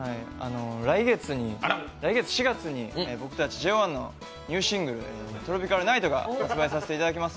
来月４月に僕たちＪＯ１のニューシングル「ＴＲＯＰＩＣＡＬＮＩＧＨＴ」を発売させていただきます。